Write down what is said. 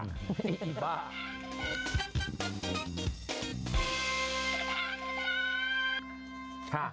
ไอ้บ้า